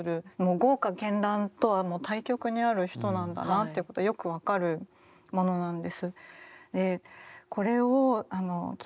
豪華絢爛とはもう対極にある人なんだなということがよく分かるものなんです。